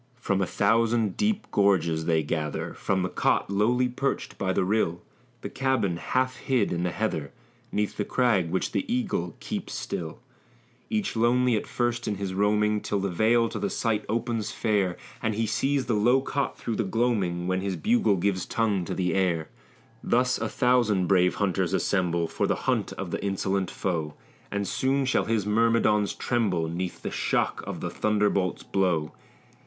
From a thousand deep gorges they gather, From the cot lowly perched by the rill, The cabin half hid in the heather, 'Neath the crag which the eagle keeps still; Each lonely at first in his roaming, Till the vale to the sight opens fair, And he sees the low cot through the gloaming, When his bugle gives tongue to the air. Thus a thousand brave hunters assemble For the hunt of the insolent foe, And soon shall his myrmidons tremble 'Neath the shock of the thunderbolt's blow.